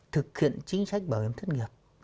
thực hiện chính sách bảo hiểm thất nghiệp